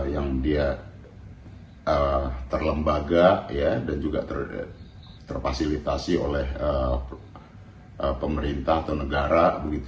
yang dia terlembaga dan juga terfasilitasi oleh pemerintah atau negara